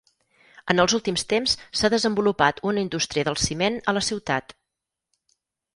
En els últims temps s'ha desenvolupat una indústria del ciment a la ciutat.